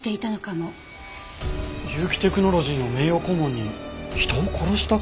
結城テクノロジーの名誉顧問に人を殺した過去があったって事？